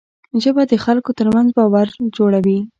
ژبه د خلکو ترمنځ باور جوړوي